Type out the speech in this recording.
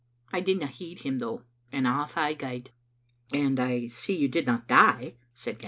I didna heed him, though, and off I gaed." "And I see you did not die," said Gavin.